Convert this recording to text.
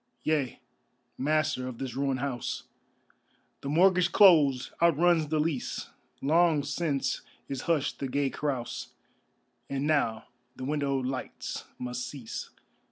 Yea, Master of this ruined house, The mortgage closed, outruns the lease; Long since is hushed the gay carouse And now the windowed lights must cease.